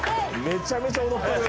めちゃめちゃ踊ってる。